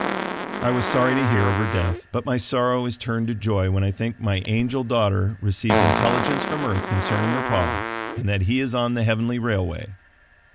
I was sorry to hear of her death but my sorrow is turned to joy when I think my angel daughter received intelligence from earth concerning her pa, and that he is on the heavenly railway.